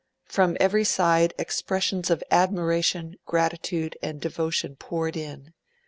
From every side expressions of admiration, gratitude, and devotion poured in.